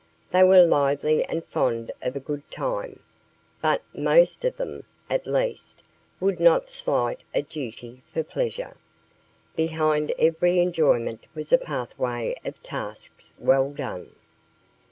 They were lively and fond of a good time, but most of them, at least, would not slight a duty for pleasure. Behind every enjoyment was a pathway of tasks well done.